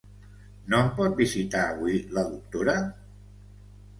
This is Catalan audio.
No em pot visitar avui la doctora?